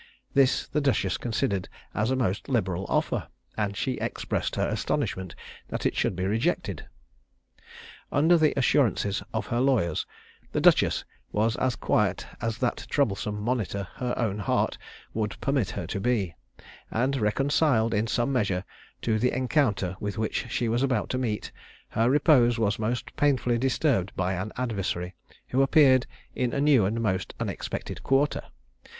This the duchess considered as a most liberal offer; and she expressed her astonishment that it should be rejected. Under the assurances of her lawyers, the duchess was as quiet as that troublesome monitor, her own heart, would permit her to be; and reconciled in some measure to the encounter with which she was about to meet, her repose was most painfully disturbed by an adversary, who appeared in a new and most unexpected quarter.